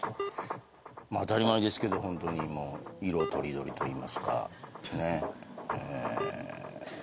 当たり前ですけどホントに色とりどりといいますかね。